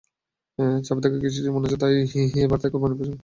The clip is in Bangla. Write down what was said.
চাপে থাকা কৃষিজীবী মানুষদের এবার তাই কোরবানির পশু কিনতে হিমশিম খেতে হচ্ছে।